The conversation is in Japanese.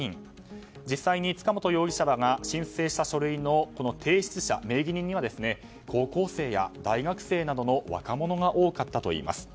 実際に塚本容疑者らが申請した書類の提出者名義人には高校生や大学生などの若者が多かったといいます。